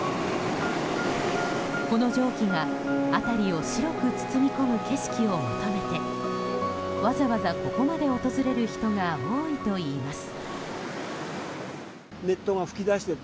この蒸気が辺りを白く包み込む景色を求めてわざわざ、ここまで訪れる人が多いといいます。